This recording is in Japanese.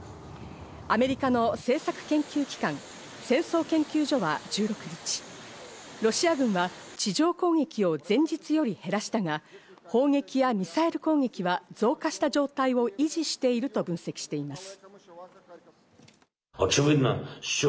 アメリカの政策研究機関、戦争研究所は１６日、ロシア軍は地上攻撃を前日より減らしたが、砲撃やミサイル攻撃は、増加した状態を維持していると分析しています。